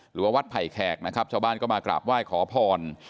หรือว่าวัดไผ่แขกนะครับชาวบ้านก็มากราบไหว้ขอพร